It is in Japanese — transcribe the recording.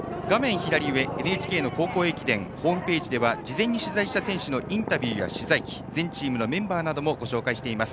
左上、ＮＨＫの高校駅伝ホームページでは事前に取材した選手のインタビューや取材記全チームのメンバーなどもご紹介しています。